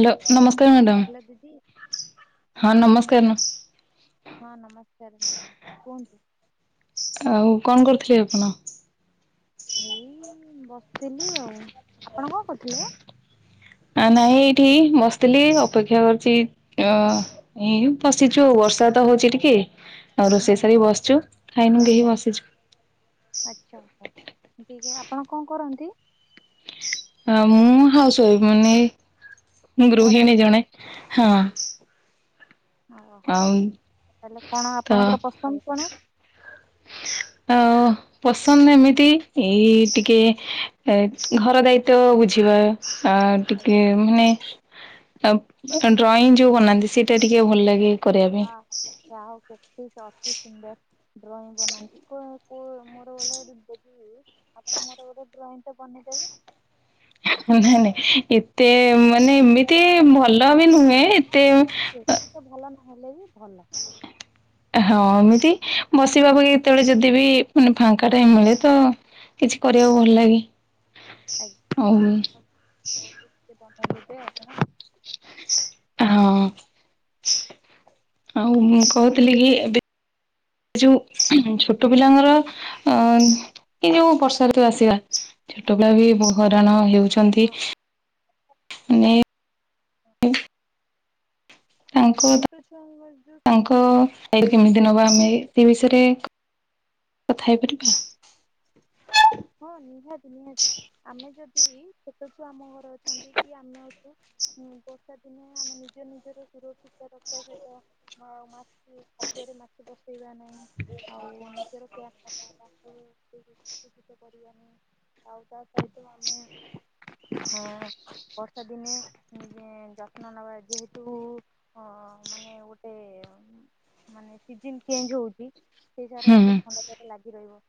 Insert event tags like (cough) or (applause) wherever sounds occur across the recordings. Hello ନମସ୍କାର madam ଦିଦି ହଁ ହଁ ନମସ୍କାର କୁହନ୍ତୁ? ଆଉ କଣ କରିଥିଲି ଆପଣ? ଏଇ ବସିଥିଲି ଆଉ ଆପଣ କଣ କହୁଥିଲେ? ଆ ନାଇଁ ଏଇଠି ବସିଥିଲି ଅପେକ୍ଷା କରିଛି ଅ ଏଇ ବସିଛୁ ବର୍ଷା ତ ହଉଛି ଟିକେ। ଆଉ ହୁଁ ରୋଷେଇ ସାରିକି ବସିଛୁ ଖାଇନୁ କେହି ଆଜ୍ଞା ବସିଛୁ। ଆଚ୍ଛା ଟିକେ ଆପଣ କଣ କରନ୍ତି। ଆ ମୁଁ ହାଉସୱାଇଫ ମାନେ ମୁଁ ଘରେ ଅଛ ଗରୁୋହି ଜଣେ। ହଁ ଓହୋ ଆଉ ତାହେଲେ କଣ ତ ଆପଣଙ୍କର ପସନ୍ଦ କଣ? ଅ ପସନ୍ଦ ଏମିତି ଏଇ ଟିକେ ଘର ଦାୟିତ୍ଵ ବୁଝିବା। ଆ ଟିକେ ମାନେ ଡ୍ରଇଂ ଯୋଉ ବନାହାନ୍ତି ସେଇଟା ଟିକେ ଭଲ ଲାଗେ କରିବା ପାଇଁ ହଁଉ କେ ଚତି ସୁନ୍ଦର ଡ୍ରଇଂ ବନାନ୍ତି କ ହ ମୋରଳ ଆପଣ ମୋର ଗୋଟେ ଡ୍ରଇଂ ଟେ ବନେଇଦେବେ। ନାଇଁ ନାଇଁ ଏତେ ମାନେ ଏମିତି ଭଲ ବି ନୁହେଁ। ଆଉ ଏତେ। ଦେଖୁଛି ଭଲ ବି। ଭଲ। ହଁ ଏମିତି। ବସିବା ବଇ କେତେବେଳେ ଯଦି ବିି। ମାନେ ହୁଁ ଫାଙ୍କାଟାଇମ୍ ମିଳେ ତ। କିଛି କରିବାକୁ ଭଲ ଲାଗେ। ଆଉ ଆଜ୍ଞା। (inaudible) ହଁ ଆଉ ମୁଁ କହୁଥିଲି କି ଏବେ ଯୋ ଛୋଟ ପିଲାଙ୍କର ଅ ଏ ଯୋଉ ବର୍ଷା ଋତୁ ଆସିବା ଛୋଟ ପିଲା ବି ହଇରାଣ ହେଉ। ଛନ୍ତି। ହଁ। ନେ (inaudible) ତାଙ୍କ ଛୋଟ ଛୁଆଙ୍କ ତାଙ୍କ ଯୋଉ କେମିତି ନବା ଧ୍ୟାନ ଆମେ ସେ ବିଷୟରେ। କଥା ହେଇପାରିବା। ହଁ ନିହାତି ନିହାତି ଆମେ ଯଦି ଛୋଟ। ଆମ ଘରେ ଅଛନ୍ତି କି ଆମେ ଅଛୁ। ହଁ ବର୍ଷା ଦିନେ ଆମେ ନିଜ ନିଜର ସୁରକ୍ଷିତ ରକ୍ଷା ସହିତ ମା ଖାଦ୍ୟରେ ମାଛି ବସେଇବା ନାହିଁ ଆଉ ନିଜର କେୟାର ନେବା। (inaudible) ଆଉ ତା ସହିତ ଆମେ ବର୍ଷା ଦିନେ ଯତ୍ନ ନବା ଯେହେତୁ ଅ ମାନେ ଗୋଟେ ମାନେ ସିଜନ ଚେଞ୍ଜ ହଉଛି। ସେ ସାରା ଏତେ ହୁଁ। ଥଣ୍ଡା ଜର ଲାଗି ରହିବ।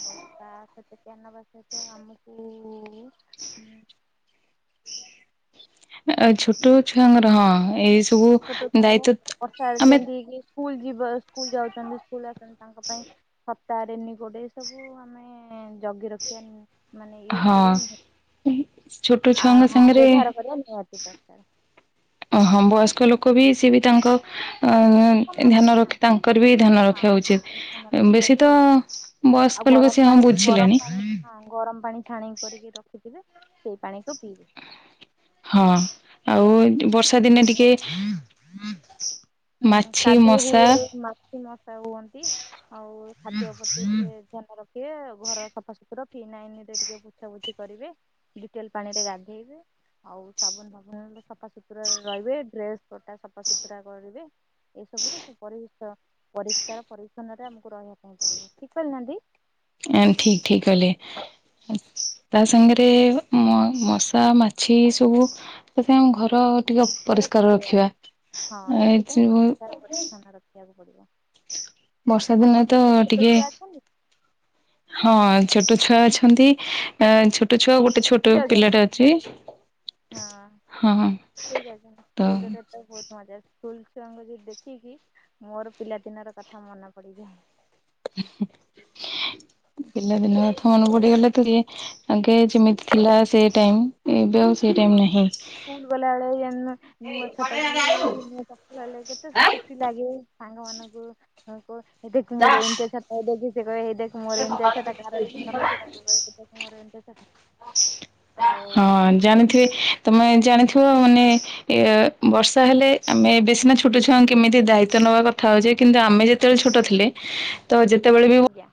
ଆଉ ତା ସହିତ ନବା ସହିତ ଆମକୁ ଆ ଛୋଟ ଛୁଆଙ୍କର ହ। ହଁ ଛୋଟ (inaudible) ଆମେ ସ୍କୁଲ ଯିବ। ସ୍କୁଲ ଯାଉଛନ୍ତି ସ୍କୁଲ ଆସୁଛନ୍ତି ତାଙ୍କ ପାଇଁ ସପ୍ତାହରେ (inaudible) ଗୋଟେ ସବୁ ଆମେ ଜଗି ରଖିବା। ମାନେ ୟୁଜ ହଁ କରିବା ଛୋଟ ନିହାତି ଆ ଛୁଆଙ୍କ ହଁ ସାଙ୍ଗରେ ବ୍ୟବହାର କରିବା ନିହାତି ଦରକାର। ଅହଁ ବୟସ୍କ ଲୋକ ବି ସିଏ ବି। ତାଙ୍କ ହଁ ଅ-ଅ-ଅ ସମସ୍ତେ ଧ୍ୟାନ ସମସ୍ତେ ରଖି ତାଙ୍କର ବି ଧ୍ୟାନ ରଖିବା ଉଚିତ, ହଁ ଧ୍ୟାନ ରଖିବା ବେଶୀ ବି ତ ଆଉ ଆଉ ବୟସ୍କ ଲୋକ ଗରମ ସିଏ ହଁ ପାଣି ଗରମ ବୁଝିଲେଣି। ପାଣି ହଁ ଗରମ ପାଣି ଛାଣି କରିକି ରଖିଥିବେ ସେଇ ପାଣିକୁ ପିଇବେ। ହଁ ଆଉ ବର୍ଷା ଦିନେ ଟିକେ ହୁଁ ମାଛି କାଦୁଅ ମଶା ହୁଏ, ମାଛି ମଶା ହୁଅନ୍ତି, ଆଉ ଖାଦ୍ୟ ପ୍ରତି ଟିକେ ଧ୍ୟାନ ରଖିବେ ଘର ସଫାସୁତୁରା ଫିନାଇନରେ ଟିକେ ପୁଛାପୁଛି (inaudible) କରିବେ ଡିଟେଲ ପାଣିରେ ଗାଧେଇବେ ଆଉ ସାବୁନଫାବୁନ୍ ସଫାସୁତୁରା ରହିବେ ଡ୍ରେସପଟା ସଫାସତୁରା କରିବେ ଏସବୁରେ ପରି ପରିଷ୍କାର ପରିଚ୍ଛନ୍ନରେ ଆମକୁ ରହିବା ପାଇଁ ପଡିବ ଠିକ୍ କହିଲି ନା ଦି? ଆଁ ଠିକ୍ ଠିକ୍ କହିଲେ ତା ସାଙ୍ଗରେ ମ ମଶା ମାଛି ଏସବୁ ତା ସାଙ୍ଗକୁ ଘର ଟିକେ ଜୋରେ ପରିଷ୍କାର ବସେଇବାନି। ହଁ ରଖିବା ଆ (unintelligible) ବଢିଆ। ବର୍ଷା ଦିନରେ ତ ଟିକେ, ଛୁଆ ଅଛନ୍ତି ହଁ ଛୋଟ ଛୁଆ ଅଛନ୍ତି। ଏଁ ଛୋଟ୍ ଛୋଟ ଛୁଆ ଗୋଟେ ଛୋଟ ସ୍କୁଲ ଯାଉଛନ୍ତି ପିଲାଟେ ଅଛି, ହଁ ହଁ-ହଁ ସ୍କୁଲ ଯାଉଛନ୍ତି ତ ସ୍କୁଲରେ ବହୁତ ମଜା ସ୍କୁଲ ଛୁଆଙ୍କୁ ଯେ ଦେଖିକି ମୋର ପିଲାଦିନର କଥା ମନେ ପଡିଯାଏ । ହୁଁ-ହୁଁ ପିଲାଦିନ କଥା ମନେ ପଡିଗଲେ ଟିକେ ଆଗେ ଯେମିତି ଥିଲା ସେ ଟାଇମ୍ ଏବେ ଆଉ ସେ ଟାଇମ୍ ହଁ ହଁ ନାହିଁ ସ୍କୁଲ ଗଲାବେଳେ ଯେମିତି ନୂଆ ଛତା କି ନୂଆ ଚପଲ ହେଲେ କେତେ ଖୁସି ଲାଗେ, ସାଙ୍ଗ ମାନଙ୍କୁ ହଁ (inaudible) ଏଇ ଦେଖ୍ ମୋର ଏମିତିଆ ଛତା ଦେଖିଛ୍? ଏଇ ଦେଖ୍ ମୋର ଏମିତିଆ ଛତା କାହାର (inaudible) ତାକୁ କହିବେ ଦେଖ୍ ମୋର ଏମିତିଆ ଛତା, ଆଉ ହଁ (inaudible) ଜାଣିଥିବେ ତମେ ଜାଣିଥିବ ମାନେ ଏ ବର୍ଷା ହେଲେ ଆମେ ଏବେ ସିନା ଛୋଟ ଛୁଆଙ୍କୁ କେମିତି ଦାୟିତ୍ଵ ନବା କଥା ହଉଛେ କିନ୍ତୁ ଆମେ ଯେତେବେଳେ ଛୋଟ ଥିଲେ ତ ଯେତେବେଳେ ବି ଆଜ୍ଞା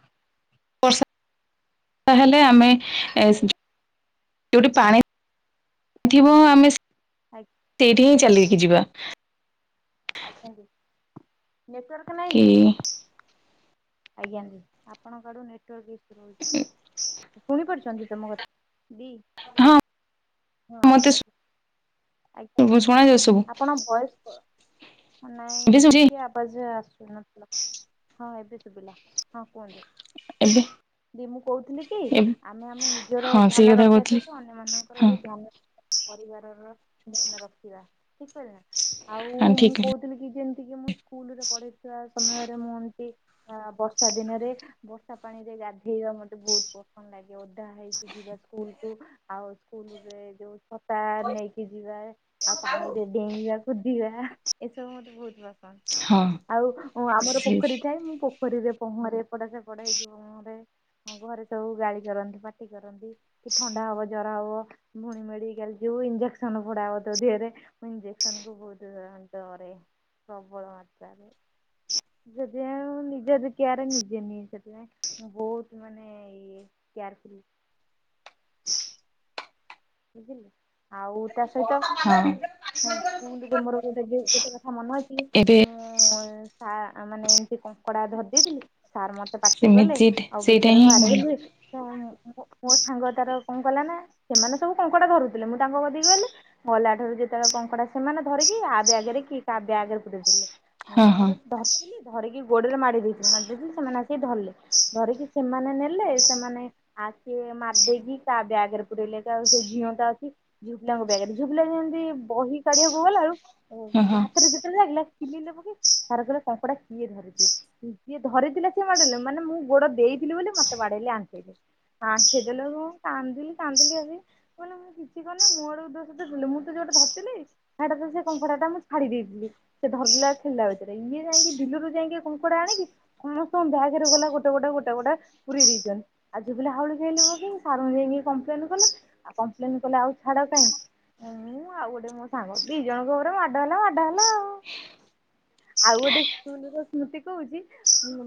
ତାହେଲେ ଆମେ (unintelligible) ଆଜ୍ଞା ଯୋଉଠି ପାଣି, ଥିବ ଆମେ ଆଜ୍ଞା ସେଇଠି ଚାଲିକି ଯିବା । (inaudible) ନେଟୱାର୍କ ନାହିଁ କି କିି? ଆଜ୍ଞା ଦି ଆପଣ ଆଡୁ ନେଟୱାର୍କ ଇସ୍ୟୁ ଶୁଣିପାରୁଛନ୍ତି? ତମ କଥ୍ ବି, ହଁ ହଁ ମତେ ଆଜ୍ଞା। ଆଜ୍ଞା ଦି, ଶୁଣାଯାଉ ସବୁ ଆପଣ ଭୟସ୍ ନାଇଁ ଏବେ ଶୁଭୁଛି ଟିକେ ଆବାଜ ଆସ୍ ଶୁଭୁନଥିଲା, ହଁ ଏବେ ଶୁଭିଲା, ହଁ କୁହନ୍ତୁ। ଏବେ ଦି ମୁଁ କହୁଥିଲି କି ଏବ୍ ଆମେ ଆମ ନିଜର ହଁ ସେଇ ଧ୍ୟାନ କଥା ରଖିବା କହୁଥିଲି ସହିତ ଅନ୍ୟ ମାନଙ୍କର ହଁ ବି ଧ୍ୟାନ ପରିବାରର ଧ୍ୟାନ ରଖିବା ଠିକ କହିଲି ନା। ଆଉ ଠିକ୍ ମୁଁ କହିଲେ କହୁଥିଲି କି ଯେମତି ଏତିକି ମୁଁ ସ୍କୁଲ ରେ ପଢେଇଥିବା ସମୟରେ ମୁଁ ଏମିତି ଆ ବର୍ଷା ଦିନରେ ବର୍ଷା ପାଣିରେ ଗାଧେଇବା ମତେ ବହୁତ ପସନ୍ଦ ଲାଗେ, ।ଓଦା ହେଇକି ଯିବା ସ୍କୁଲକୁୁ ଆଉ ସ୍କୁଲ ରେ ଯୋଉ ଛତା ନେଇ କି ଯିବାରେ ଆଉ ପାଣିରେ ଡେଇଁବାକୁ କୁଦିବା ଏସବୁ ମତେ ବହୁତ ବହୁତ ହଁ ଆଉ ଆମର ସେ ପୋଖରୀ ଥାଏ ମୁଁ ପୋଖରୀରେ ପହଁରେ ପଟା ସେପଟା ହେଇକି ପହଁରେ ଘରେ ସବୁ ଗାଳି କରନ୍ତି ପାଟି କରନ୍ତି କି ଥଣ୍ଡା ହବ ଜର ହବ ଫୁଣୀ ମେଡିକାଲ ଯିବୁ ଇଞ୍ଜେ ସନ ଫୋଡାହବ ତୋ ଦେହରେ ମୁ ଇଞ୍ଜେକ୍ସନ୍ କୁ ବହୁତ୍ ଡରେ ପ୍ରବଳ ମାତ୍ରରେ ସେଥିପାଇ ମୁ ନିଜ କେୟାର ନିଜେ ନିଏ ସେଥିପାଇଁ ବହୁତ ମାନେ ଇଏ ମାନେ କେୟାରଫୁଲ। ବୁଝିଲ ଆଉ। ତା ସହିତ ହଁ। ସ୍କୁଲରେ ମୋର ଗୋଟେ ଗୋଟେ କଥା ମନେ ଅଛି ଏବେ ମୁଁ ସା ମାନେ ଏମତି କଣ ପଢ଼ା ଧରିଦେଇଥିଲି। ସାର୍ ମତେ ପାଟି କଲେ ସେମିତି ଆଉ ସେଇଟା ଭିତରେ ହିଁ ଭଲ ଆଡେଇଲେ ମୋ ସାଙ୍ଗ ତାର କଣ କଲା ନା ସେମାନେ ସବୁ କଙ୍କଡା ଧରୁଥିଲେ ମୁଁ ତାଙ୍କ କତିକି ଗଲି ଗଲା ଠାରୁ ଯେତେବେଳେ କଙ୍କଡା ସେମାନେ ଧରିକି ଆ ବ୍ୟାଗରେ କି କା ବ୍ୟାଗରେ ପୁରେଇଦେଲେ। ହଁ ମୋର ଧରିଲି ଧରିକି ଗୋଡରେ ମାଡି ଦେଇଥିଲେ ମାଡ଼ି ଦେଇଥିଲ ସେମାନେ ଆସିକି ଧରିଲ ଧରିକି ସେମାନେ ନେଲେ ସେମାନେ ଆସେ ମାରିଦେଇକି ତା ବ୍ୟାଗ ରେ ପୁରେଇଲେ ଆଉ ସେ ଝିଅନ୍ତା ଅଛି ଝୁଅ ପିଲାଙ୍କ ବେଗରେ ଝୁଅ ପିଲା ଯେମିତି ବହି କାଢିବାକୁ ଗଲାବେଳୁ ଓ ହଁ ହଁ ହାତରେ ଯେତେବେଳେ ଲାଗିଲା। କିଲିଲେ ପକ ସାର କହିଲେ କଙ୍କଡା କିଏ ଧରିଥିଲା? କିଏ ଧରିଥିଲା ସିଏ ମାଡେଇଲ ମାନେ ମୁଁ ଗୋଡ ଦେଇଥିଲି ବୋଲି ମତେ ବାଡେଇଲି ଆଣ୍ଠେଇଲେ ଆଣ୍ଠେଇ ଦେେଲେ ମୁଁ କାନ୍ଦିଲି କାନ୍ଦିଲି ଆ କେ ମୁଁ କିଛି କରିନେଇ ମୋ ଆଡେ ଦୋଷଦେଇଦେଲେ ମୁଁ ତ ଯୋଉଟା ଧରିଥିଲି ସେଟା ସେ କଙ୍କଡା ଟା ମୁଁ ଛାଡି ଦେଇଥିଲି ସେ ଧର ଖେଳିଲା ଭିତରେ ଇଏ ଯାଇକି ବିଲରୁ ଯାଇ କଙ୍କଡା ଆଣିକି ସମସ୍ତଙ୍କୁ ବ୍ୟାଗ ରେ ଗଲା ଗୋଟେ ଗୋଟେ ଗୋଟେ ଗୋଟେ ପୁରେଇ ଦେଇଛନ୍ତି ଆଜି ଝିଅ ପିଲା ହାଉଳି ଖାଇ ସାର୍ ଙ୍କୁ ଯାଇକି କଂପ୍ଲେନ୍ କଲେ। ଆଉ କମ୍ପଲେନ କଲେ ଆଉ ଛାଡ କାହିଁଁ ଆଉ ଗୋଟେ ମୋ ସାଙ୍ଗ ଦି ଜଣଙ୍କ ଉପରେ ମାଡ ହେଲା ମାଡ ହେଲା ଆଉ ଆଉ ଗୋଟେ ସ୍କୁଲ ର ସ୍ମୃତି କହୁଛି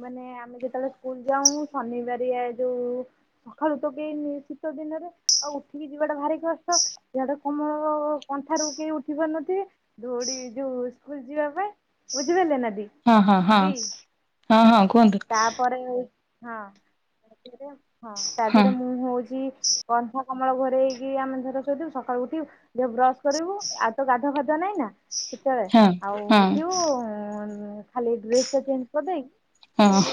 ମାନେ ଆମେ ଯେତେବେଳେ ସ୍କୁଲ ଯାଉ ଶନିବାର ଯୋଉ ସକାଳୁ ତ କେଇନି ଶୀତ ଦିନରେ ଆଉ ଉଠିକି ଯିବାଟା ଭାରି କଷ୍ଟ ଜାଡ କମଳ କନ୍ଥାରୁ କେହି ଉଠି ପାରୁନଥିବେ ଦୌଡି ଯୋଉ ସ୍କୁଲ ଯିବା ପାଇଁ ବୁଝିପାରିଲେ ନାଁ,? ହଁ ହଁ ହଁ ହଁ ହଁ କୁହନ୍ତୁ? ତାପରେ ହଁ। ହଁ ତା ଦେହରେ ମୁଁ ହଉଛି କନ୍ କମଳ ଘଡେଇ ହେଇକି ଆମେ ଧର ଶୋଇଥିବୁ ସକାଳୁ ଉଠିବୁ ଦେ ବ୍ରଶ କରିବୁ ଆଉ ତ ଗାଧ ଫାଧ ନାଇଁ ନା ସେତେବେଳେ ହଁ ଆଉ ହଁ। ଉଠିବୁ ଉଁ ଖାଲି ୍ରେସ ଟା ଚେଞ୍ଜ କରି ଦେ ହଁ ହଁ ସ୍କୁଲ୍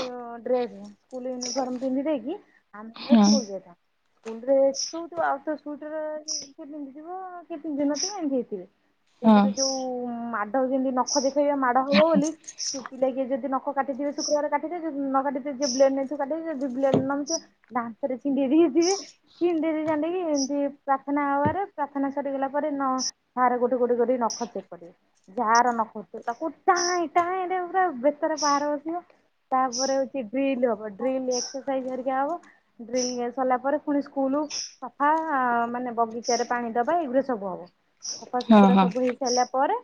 ଡ୍ରେସ ସ୍କୁଲ ୟୁନିଫର୍ମ ପିନ୍ଧି ଦେଇକି ଆମେ ହଁ ସ୍କୁଲ ଯାଇଥାଉ ସ୍କୁଲ ଡେସ ଆଉ ତ ସ୍ଵିଟର କିଏ ପିନ୍ଧିଥିବ କିଏ ପିନ୍ଧିନଥିବେ ଏମିତି ହେଇଥିବ। ହଁ ସ୍କୁଲରେ ଯୋଉ ମା ରଖିଛନ୍ତି ନଖ ଦେଖି ବା ମାଡ଼ ହବ ବୋଲି ଚୁପି ଲାଗି ଯଦି ନ କାଟିଥିବେ ଶୁକ୍ରବାର କାଟିବେ ଯିଏ ନ କାଟିଥିବ ଯିଏ ବ୍ଲେଡ ନେଇଥିବା କଟିବ ଯିଏ ବ୍ଲେଡ ନ ନେଇଥିବ ଦାନ୍ତ ରେ ଛିଡେଇଁ ଦେଇଥିବେ ଛିଣ୍ଡେ ଜାିକି ଏମତି ପ୍ରାର୍ଥନା ହବାରେ ପ୍ରାର୍ଥନା ସରିଗଲା ପରେ ନ ସାର ଗୋଟେ ଗୋଟେ କରୋି ନ ଖର୍ଚେ ପେ ଯାର ନ ଖୋଚ ତାକୁ ଟା ଟା ପୁରା ବେତର ବାହାର ବସିବ ତାପରେ ହଉଛି ବଡିଲ ହବ। ଡ୍ରିଲ ଏକ୍ସରସାଇଜିକ ହବ ଡ୍ର ସାରିଲା ପରେ- ଫୁଣି ସ୍କୁଲ। ସଫା ମାନେ ବଗିଚ ରେ ପାଣି ଦବା ଏଇଗା ସବୁ ହବ। ହଁ ସଫାସୁତୁରା ହଁ। ସବୁ ହେଇ ସାରିଲା ପରେ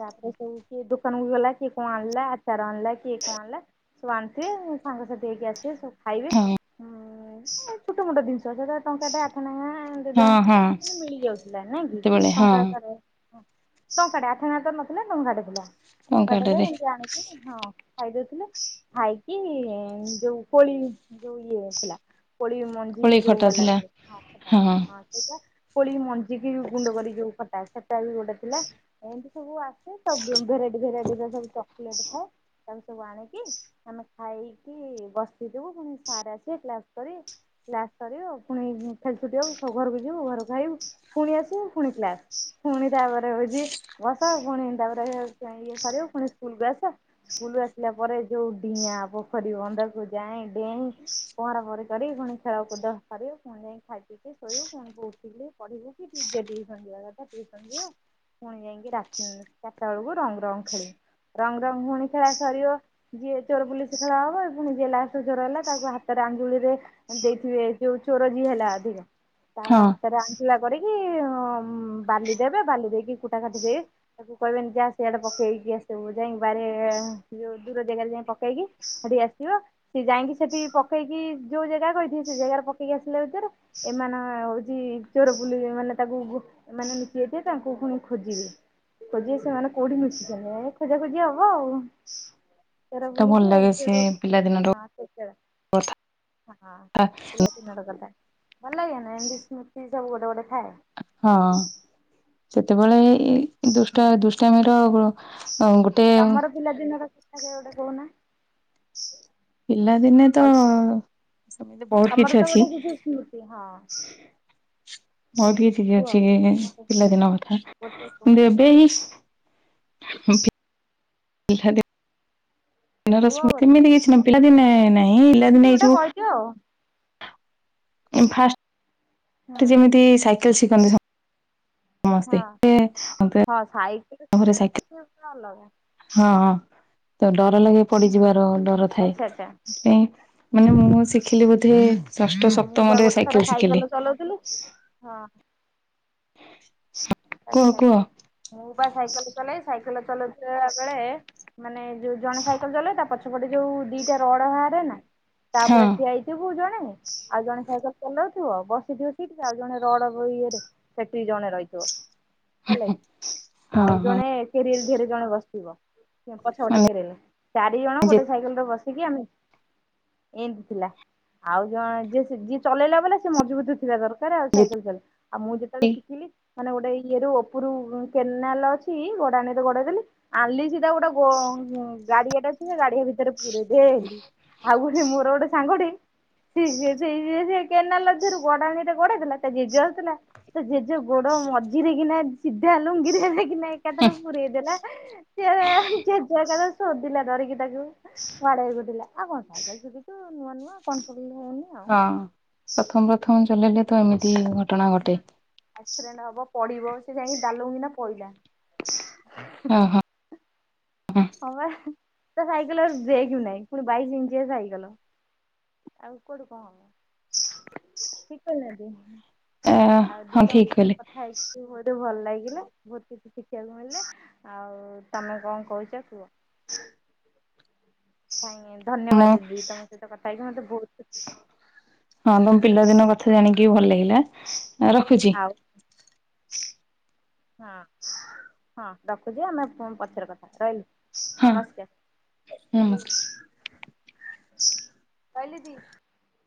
ତାପରେ ସବୁ କିଏ ଦୋକାନକୁ ଗଲା କିଏ କଣ ଆଣିଲା ଆଚାର ଆଣିଲା କିଏ କଣ ଆଣିଲା ସବୁ ଆଣିଥିବେ ସାଙ୍ଗସାଥି ହେଇକି ଆସିବେ ସବୁ ଖାଇବେ ହୁଁ। ଛୋଟ ମୋଟା ଜିନିଷ ଦଶ ହଜାର ଟଙ୍କାଖଥନାଁ ହଁ ହଁ ମେ ମିଳି ଯାଉଥିଲା ନାଇଁ କି ସେତେବେଳେ ହଁ ଟଙ୍କା ଟଙ୍କା ଟେ ଆଠ ତ- ଲଡଙ୍ଗାଟେ ପିଲା। ଟଙ୍କା ଟ ଯ ଟଙ୍କାଟାରେ ଏମତି ଆଣିକି ହଁ। ଖାଇଦଉଥିଲୁ ଖାଇକି ଯୋଉ କୋଳି ଯୋଉ ଇଏ ଥିଲା। ପ ମଞ୍ଜି। କୋଳି ଟ ଖଟା ଥିଲା ହଁ ସେଇଟା ପୋଳ ମଞ୍ଜିିକି ଗୁଣ୍ଡ କର। ଟା ସେଟା ବି ଗୋଟେ ଥିଲା ଏମିତି ସବୁ ଆସେ ସବୁ ଭେରାଇଟି ଭେରାଇଟି ସବୁ ଚକୋଲେଟ ଥାଏ ତାକୁ ସବୁ ଆଣିକି ଆମେ ଖାଇକି ବସଥିବୁଣି ସ ଆସ କ୍ସ କରି୍। ସରିବ ପୁଣି ଖେଳି ଛୁଟି ହବ, ସବୁ ଘରକୁ ଯିବୁ ଘରକୁ ଖାଇବୁ ପୁଣି ଆସିବୁ, ପୁଣି କ୍ଲାସ ପୁଣି ତାପରେ ହଉଛି, ବସ ପୁଣି ତାପରେ ଇଏ ସରିବ ପୁଣି ସ୍କୁଲକୁୁ ଆସ ସ୍କୁଲକୁ ଆସିଲା ପରେ ଯୋଉ ଡିଆଁ ପୋଖରୀ ବନ୍ଧକୁ ଯାଇଁ ଡେଇଁ ପହଁରା ପହଁରି କରି ପୁଣି ଖେଳ କରିବ ପୁଣି ଯାଇ ଖାଇ ପିି ଶୋଇବୁଣଠି ପଢିବୁ କି କ ଦଅ ପୁଣି ଯାଇକି ଚାରଟା ବେଳକୁ ରଙ୍ଗରଙ୍ଗ ଖେଳିବ ରଙ୍ଗରଙ୍ଗ ପୁଣି ଖେଳା ସରିବ ଯିଏ ଚୋର ପୁଲିସ ଖେଳା ହବ ପୁଣି ଯିଏ ଲାଷ୍ଟ ଚୋର ହେଲା ତାକୁ ହାତରେ ଆଙ୍ଗୁଳିରେ ଯୋଉ ଚୋର ଯିଏ ହେଲା ଅଧିକ ତା ହଁ। ହାତରେ ଆଣ୍ଠୁଳା କରିକି ବାଲି ଦେବେ ବାଲି ଦେଇକି କୁଟା କାଟି ଦେବେ ତାକୁ କହିବେନି ଯା ସେଆଡେ ପକେଇକି ଆସିବ ଯାଇି ଦୂର ଜାଗାରେ ଯାଇ ପକେଇକି ସେଠି ଆସିବ ସି ଯାଇକି ସେଠି ପକେଇକି ଯୋଉ ଜାଗା କହିିବ। ସେ ଜାଗାରେ ପକେଇକି ଆସିଲା ଭିତରେ ଏମାନେ ହଉଛି ଚୋରପୁଲି ମାନେ ତାଙ୍କୁ ମମାନେେ ନିଚି ଯେ ତାଙ୍କୁ ପୁଣି ଖୋଜିବି ଖୋଜି ସେମାନେ କୋଉଠି ନଚିଛନ୍ତି ଖୋଜା ଖୋଜି ହବ ଆଉ। ତରା ସେଟା ଭଲ ଭୁଲିଛି ଲାଗେ ସେ ଆଉର ପିଲାଦିନର ହଁ ସେ ହଁ। କଥା ଏଲପ ନଗିଲ ଭଲ ଲାଗେ ନା ଏଡି ସ୍ମୃତି ସବୁ ଗୋଟେ ଗୋଟେ ଖାଏ। ହଁ ସେତେବେଳେ ହୁଁ ଦୁଷ୍ଟା ଦୁଷ୍ଟାମେର ତମର ପିଲାଦିନର ଆ ଏଉଡ ଫନ ପିଲାଦିନେ ତ ସେମିତି ବହୁତ ତମର କିଛି ତ ଅଛି। ଗୋଟେ କିଛି ସ୍ମୃତି ହଁ ମଉ ଟିକେ କୁହ ଅଛି ଗୋଟେ ପିଲାଦିନ କଥା ଗୋଟେ କିନ୍ତୁ କହୁନାହାନ୍ତି ଏବେ ହିଁ ହ ଆ। କୁହ ଗୋଟେ ସେମିତି କିଛି ନା ପିଲାଦିନେ ନହିଁ କିଛି ବି ପିଲାଦିନେ ହେଇ ଗୋଟେ କହିଦିଅ ଆଉ ଯିବୁ। ଏମ୍ଫା। ହୁଁ ସେ ଯେମିତି ଛି କ ହଁ ହଁ ସାଇକୟ ଘରେ ତ ସାଇକେଲ ସେ ଅଲଗା। ହଁ ହଁ ତ ଡର ଲାଗେ ହୁଁ ପଡିଯିବାର ଡର ଥାଏ। ଆଚ୍ଛା ଆଚ୍ଛା ସେ ମାନେ ମୁଁ ଶିଖିଲି ବୋଧେ ଷଷ୍ଠ ହଁ ମୁଁ ବା ସପ୍ତମରେ ଗୋଟେ ଥର ଶିଖିଲି ସାଇକେଲ ଚଲାଉଥିଲି ହଁ। (inaudible) କୁହ ଆଛା କୁହ ଆଛା ମୁଁ ବା ସାଇକଲ ଚଲେଇ ସାଇକଲ ଚାଲ ଆ ବେଳେ ମାନେ ଯଉ ଜଣେ ସାଇକେଲେ ଚଲେଇବ ତା ପଛ ସେପଟେ ଯୋଉ ଦିଟା ରଡ ଭାରେ ନା। ତା ହଁ ପରେ ଠିଆ ହେଇଥିବୁ ଯା। ନାଇଁ ଆଉ ଜଣେ ସାଇକେଲ ଚଲାଉଥିବ ବସିଥିବ ଠିକଠାକ ଆଉ ଜଣେ ରଡ ଇଏରେ ସେଠି ଜଣେ ରହିଥିବ। ହେଲା କି ହଁ ଆଉ ହଁ ଜଣେ କେରିଏଲ ଧରି ଜଣେ ବସିଥିବ। ପଛ ପଟେ ମାନେ କେରଲେ ଚାରି ଜଣ ଗୋଟେ ସାଇକେଲରେ ବସ କି ଆମେ ଏମିତି ଥିଲା ଆଉ ଜଣେ ଯିଏ ଯିଏ ଚଲେଇଲା ବଲେ ସିଏ ମଜବୁତ ଥିବା ଧର କାର। ଆଉ ସାଇକେଲ ଯେତିକି ଚାଲେ ଆଉ ମୁଁ ଯେତେବେଳେ ଶିଖିଲି ମାନେ ଗୋଟେ ଇଏ ର ଉପରୁ କେନାଲ ଅଛି ଗୋଡାଣିରେ ଗୋଡେଇ ଦେଲି ଆଲି ଗୋଟେ ଗ ଗାଡିଆଟା ଅଛି ନା ଗାଡିଆ ଭିତ ପୁରେଇଦେଲି । ଆଉ ଗୋଟେ ମୋର ଗୋଟେ ସାଙ୍ଗଟେ ଠ ସେ ଅ ସେ। (unintelligible) କେନାଲଦେରୁ ଗଡାଣି ରେ ଗୋଡେଇଥିଲା ଜେଜେ ଆସଥିଲା ତ ଜେଜୁ ଗୋଡ ମଝିରେ କି ନା ସିଧା ଲୁଙ୍ଗିରେ ଯାଇ କିନା ଏକାଥରେ ପୁରେଇଦେଲା ତା ଜେଜ ଏକା ସୋଦିଲା ଧରିକି ତାକୁ ଡେଇଥିଲା ଆଉ କଣ ସାଇକେଲ ସୁିଛୁ ନୂଆ ନୂଆ କଣ? ହଁ ପ୍ରଥମ ପ୍ରଥମ ଚଲେଇଲେ ତ ଏମିତି ଘଟଣା ଘଟେ। ଅକ୍ସିଡେଣ୍ଟ ହବ ପଡ଼ିବ ସେ ଯାଇକିନ ଦଲୌକିନ ପଇଲା। ହଁ ହଁ ହୁଁ ହଁ ବା। ତ ସାଇକେଲ ବ୍ରେକ ନାହିଁ ପୁଣି ବାଇଶ ଇଞ୍ଚଆ ସାଇକେଲ ଆଉ କୁଆଡୁ କଣ ହବ? ଆ ଆଉ ଦି ହଁ ତମ ଠିକ ସହିତ କହିଲେ। କଥା ହେଇକି ବୋହୁତ ଭଲ ଲାଗିଲ ବହୁତ କିଛି ଶିଖିବାକୁ ମିଳିଲେ ଆଉ ତମେ କଣ କହୁଛ କୁହ ମୁଁ ଧନ୍ୟବାଦ ଦିଦି ତମ ସହିତ କଥା ହେଇକି ମତେ ବହୁତ ଖୁସି (inaudible) ଥା ଜାଣିକି ବି ଭଲ ଲାଗିଲା। ରଖୁଛି। ଆଉ (inaudible) ହ ହଁ ହଁ ରଖୁଛି ଆମେ ପଛରେ କଥା ରହିଲି। ହଁ ନମସ୍କାର। (inaudible) ନମସ୍କାର। (inaudible) କଇଲି ଦି